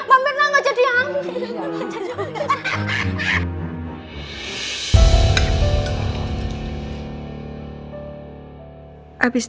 mam mirna gak jadi amin